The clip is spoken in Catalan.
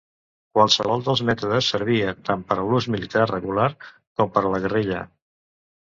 Qualsevol dels mètodes servia tant per a l'ús militar regular com per a la guerrilla.